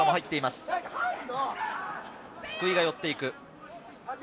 福井が寄っていく。